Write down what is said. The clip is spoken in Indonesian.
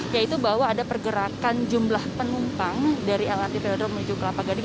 yaitu bahwa ada pergerakan jumlah penumpang dari lrt velodrome menuju kelapa gading